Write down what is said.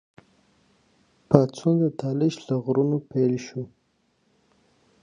پاڅون د طالش له غرونو پیل شو.